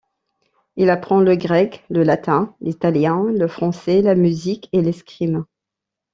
Il apprend le grec, le latin, l'italien, le français, la musique et l'escrime.